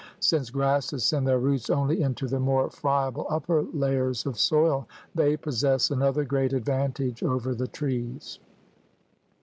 Since grasses send their roots only into the more friable upper layers of soil, they possess another great advantage over the trees.